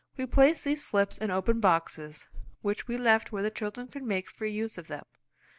We placed these slips in open boxes, which we left where the children could make free use of them.